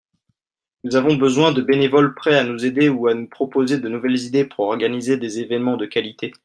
nous avons besoin de bénévoles prêts à nous aider ou à nous proposer de nouvelles idées pour organiser des évènements de qualité.